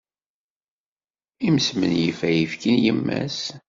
Ismenyif ayefki n yemma-s.